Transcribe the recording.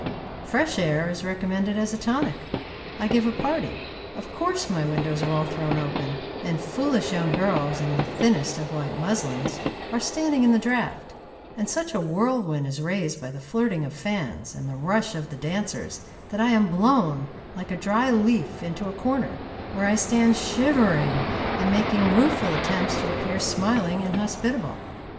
fresh air is recommended as a tonic. I give a party; of course my windows are all thrown open, and foolish young girls, in the thinnest of white muslins, are standing in the draught; and such a whirlwind is raised by the flirting of fans, and the rush of the dancers, that I am blown, like a dry leaf, into a corner, where I stand shivering, and making rueful attempts to appear smiling and hospitable.